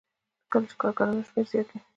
کله چې د کارګرانو شمېر زیات وي